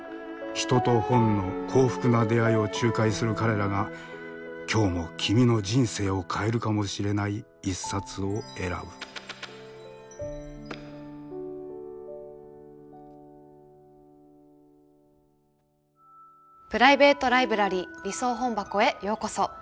人と本の幸福な出会いを仲介する彼らが今日も君の人生を変えるかもしれない一冊を選ぶプライベート・ライブラリー理想本箱へようこそ。